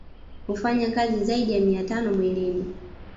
Hufanya kazi zaidi ya mia tano mwilini